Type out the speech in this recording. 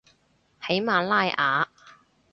喜马拉雅